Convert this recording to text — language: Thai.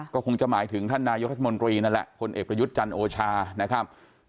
ก็คงจะหมายถึงท่านนายกรัฐมนตรีนั่นแหละพลเอกประยุทธ์จันทร์โอชานะครับ